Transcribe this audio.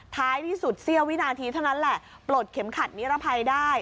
ท้ายที่สุดเสี้ยววินาทีเท่านั้นแหละปลดเข็มขัดนิรภัยได้